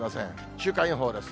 週間予報です。